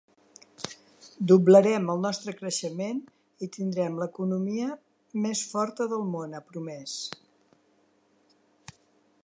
Doblarem el nostre creixement i tindrem l’economia més forta del món, ha promès.